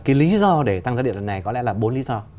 cái lý do để tăng giá điện lần này có lẽ là bốn lý do